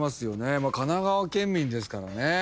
神奈川県民ですからね。